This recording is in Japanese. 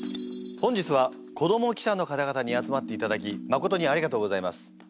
本日は子ども記者の方々に集まっていただきまことにありがとうございます。